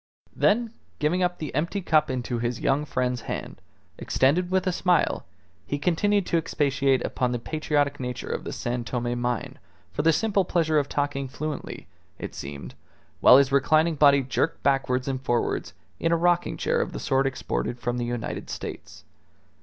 Then giving up the empty cup into his young friend's hand, extended with a smile, he continued to expatiate upon the patriotic nature of the San Tome mine for the simple pleasure of talking fluently, it seemed, while his reclining body jerked backwards and forwards in a rocking chair of the sort exported from the United States.